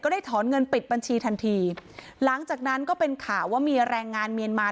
ได้ถอนเงินปิดบัญชีทันทีหลังจากนั้นก็เป็นข่าวว่ามีแรงงานเมียนมา